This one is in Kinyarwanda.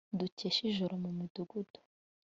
dukeshe ijoro mu midugudu